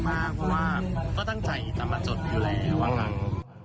เพราะว่าก็ตั้งใจจะมาจดมีแวร์วางหัง